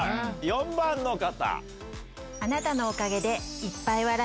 ４番の方。